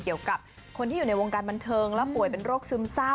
เกี่ยวกับคนที่อยู่ในวงการบันเทิงและป่วยเป็นโรคซึมเศร้า